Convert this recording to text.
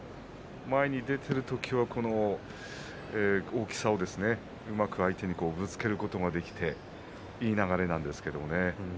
前に出ている時はこの大きさをうまく相手にぶつけることができていい流れなんですけどもね。